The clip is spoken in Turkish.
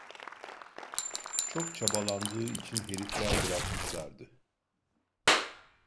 Çok çabalandığı için herifler bırakmışlardı…